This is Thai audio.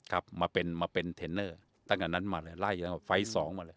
ครับมาเป็นมาเป็นเทรนเนอร์ตั้งแต่นั้นมาเลยไล่ตั้งแต่ไฟล์สองมาเลย